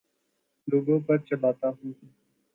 لوگوں پر چلاتا ہوں